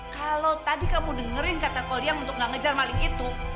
kalau tadi kamu dengerin kata kuliah untuk gak ngejar maling itu